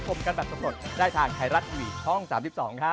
สวัสดีครับ